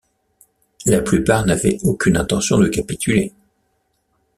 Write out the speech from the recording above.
La plupart n'avait aucune intention de capituler.